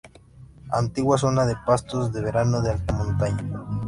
Antigua zona de pastos de verano de alta montaña.